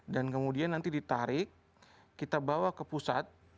dan kemudian nanti ditarik kita bawa ke pusat